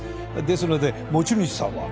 ですので持ち主さんは。